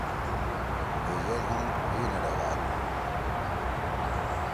ہے یِد ہُم حی نے ڈیگادُو۔